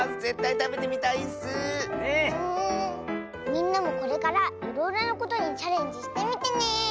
みんなもこれからいろいろなことにチャレンジしてみてね！